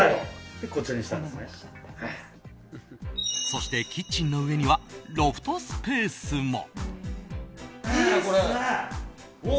そして、キッチンの上にはロフトスペースも。